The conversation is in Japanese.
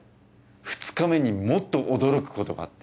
２日目にもっと驚くことがあって。